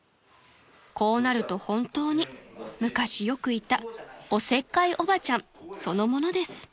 ［こうなると本当に昔よくいたおせっかいおばちゃんそのものです］